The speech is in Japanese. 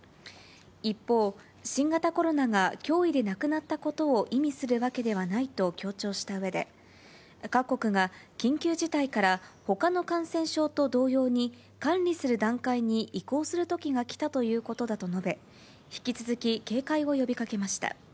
一方、新型コロナが脅威でなくなったことを意味するわけではないと強調したうえで、各国が緊急事態から、ほかの感染症と同様に、管理する段階に移行するときが来たということだと述べ、引き続き、警戒を呼びかけました。